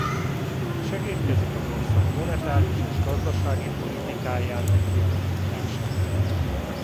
Segédkezik az ország monetáris és gazdasági politikájának kialakításában.